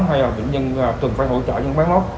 hay bệnh nhân cần phải hỗ trợ những bán mốc